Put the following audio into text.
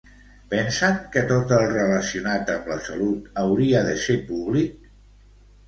Pensen que tot el relacionat amb la salut hauria de ser públic?